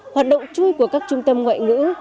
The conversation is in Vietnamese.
hoạt động chui của các trung tâm ngoại ngữ